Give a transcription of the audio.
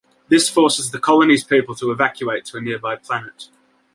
This forces the colony's people to evacuate to a nearby planet.